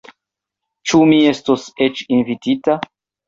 Ĉu mi estos eĉ invitita?